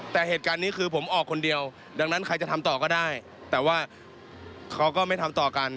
แต่เหตุการณ์นี้คือผมออกคนเดียวดังนั้นใครจะทำต่อก็ได้แต่ว่าเขาก็ไม่ทำต่อกัน